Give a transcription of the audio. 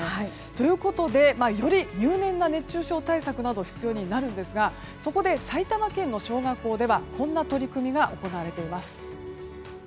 ということでより入念な熱中症対策などが必要になるんですがそこで埼玉県の小学校ではこんな取り組みが行われています。